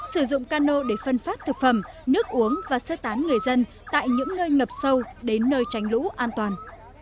sử dụng cam lộ để phân phát thực phẩm nước uống và xếp tán người dân tại những nơi ngập sâu đến nơi tránh lũ an toàn